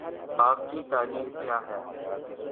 آپ کی تعلیم کیا ہے ؟